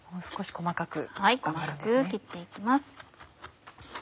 細かく切って行きます。